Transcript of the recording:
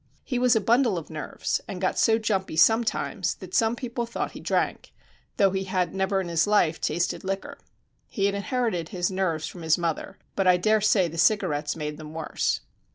He was a bundle of nerves, and got so jumpy sometimes that some people thought he drank, though he had never in his life tasted liquor. He inherited his nerves from his mother, but I daresay the cigarettes made them worse.